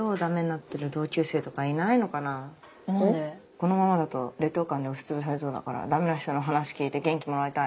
このままだと劣等感に押しつぶされそうだからダメな人の話聞いて元気もらいたい。